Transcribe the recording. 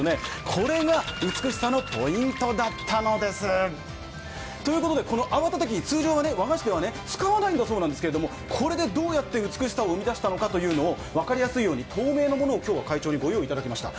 これが美しさのポイントだったのです。ということでこの泡立て器、普通和菓子では使わないんだそうですが、これでどうやって美しさを生み出したか分かりやすいように透明のものを今日は会長にご用意いただきました。